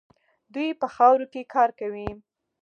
دوی په خاورو کې کار کوي.